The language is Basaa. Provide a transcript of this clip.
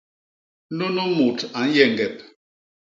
Nunu mut a nyeñgep.